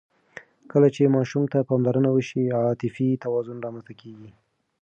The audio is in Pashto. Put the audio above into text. کله چې ماشوم ته پاملرنه وشي، عاطفي توازن رامنځته کېږي.